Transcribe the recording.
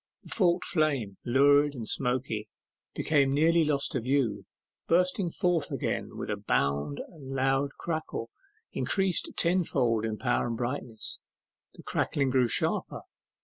The forked flames, lurid and smoky, became nearly lost to view, bursting forth again with a bound and loud crackle, increased tenfold in power and brightness. The crackling grew sharper.